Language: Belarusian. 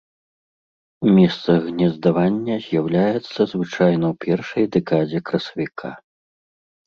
У месцах гнездавання з'яўляецца звычайна ў першай дэкадзе красавіка.